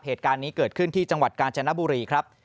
เหตุการณ์นี้เกิดขึ้นที่จังหวัดกาญจนบุรีครับ